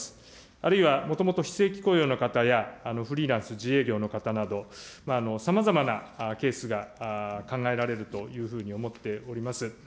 あるいは、もともと非正規雇用の方や、フリーランス、自営業の方など、さまざまなケースが考えられるというふうに思っております。